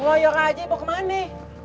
wah yorah aja mau ke mana